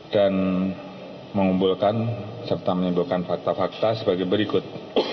dan mengumpulkan serta menimbulkan fakta fakta sebagai berikut